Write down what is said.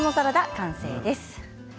完成です。